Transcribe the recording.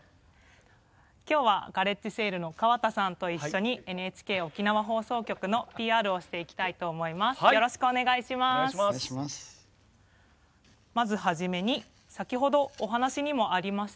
きょうはガレッジセールの川田さんと一緒にＮＨＫ沖縄放送局のＰＲをしていきたいと思います。